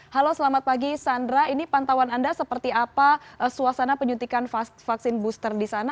halo selamat pagi sandra ini pantauan anda seperti apa suasana penyuntikan vaksin booster di sana